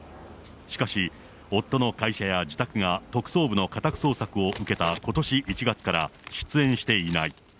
しかし、夫の会社や自宅が特捜部の家宅捜索を受けたことし１月から、出演していない。